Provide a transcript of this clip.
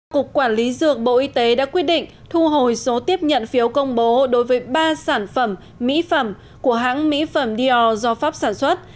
cục quản lý dược bộ y tế đã quyết định thu hồi số tiếp nhận phiếu công bố đối với ba sản phẩm mỹ phẩm của hãng mỹ phẩm deor do pháp sản xuất